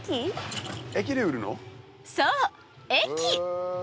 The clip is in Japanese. そう駅！